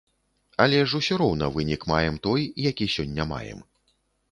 Але ж усё роўна вынік маем той, які сёння маем.